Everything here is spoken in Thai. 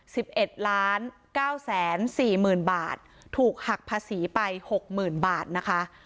สิบเอ็ดล้านเก้าแสนสี่หมื่นบาทถูกหักภาษีไปหกหมื่นบาทนะคะ